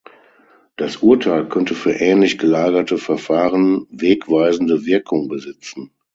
Das Urteil könnte für ähnlich gelagerte Verfahren wegweisende Wirkung besitzen.